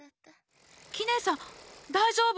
キネさんだいじょうぶ？